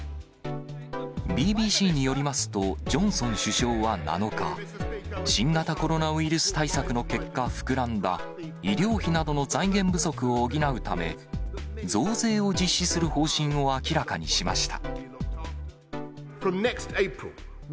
ＢＢＣによりますと、ジョンソン首相は７日、新型コロナウイルス対策の結果、膨らんだ医療費などの財源不足を補うため、増税を実施する方針を明らかにしました。